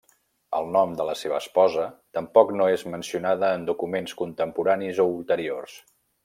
El nom de la seva esposa tampoc no és mencionada en documents contemporanis o ulteriors.